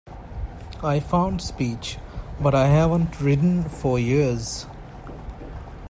I found speech: "But I haven't ridden for years."